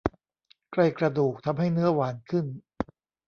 ใกล้กระดูกทำให้เนื้อหวานขึ้น